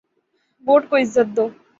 Vote کو عزت دو۔